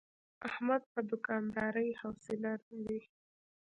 احمد په دوکاندارۍ حوصله لري.